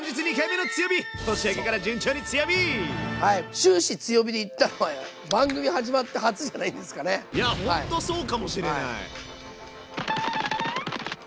終始強火でいったのはいやほんとそうかもしれない。